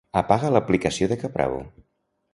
Apaga l'aplicació de Caprabo.